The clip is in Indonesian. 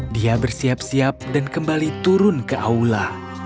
dia bersiap siap dan kembali turun ke aula